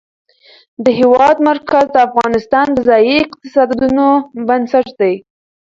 د هېواد مرکز د افغانستان د ځایي اقتصادونو بنسټ دی.